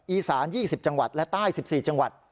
อีสาน๒๐จังหวัดและใต้๑๔จังหวัด